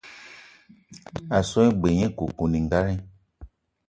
A so gne g-beu nye koukouningali.